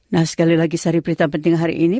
nah sekali lagi sari berita penting hari ini